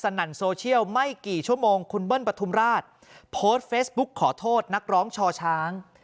นั่นโซเชียลไม่กี่ชั่วโมงคุณเบิ้ลปฐุมราชโพสต์เฟซบุ๊กขอโทษนักร้องชอช้าง